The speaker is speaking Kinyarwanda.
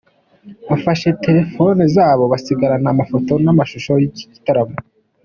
Bafashe terefone zabo basigarana amafoto n'amashusho y'iki gitaramo.